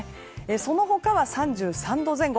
その他は３３度前後。